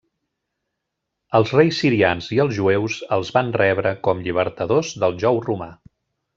Els reis sirians i els jueus els van rebre com llibertadors del jou romà.